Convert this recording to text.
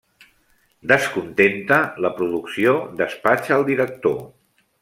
Descontenta, la producció despatxa el director.